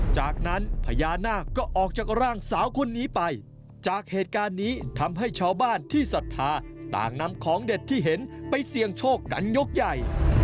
จากนั้นพญานาคก็ออกจากร่างสาวคนนี้ไปจากเหตุการณ์นี้ทำให้ชาวบ้านที่ศรัทธาต่างนำของเด็ดที่เห็นไปเสี่ยงโชคกันยกใหญ่